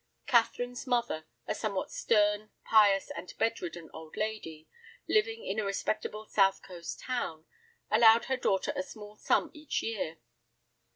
Catherine's mother, a somewhat stern, pious, and bedridden old lady, living in a respectable south coast town, allowed her daughter a small sum each year.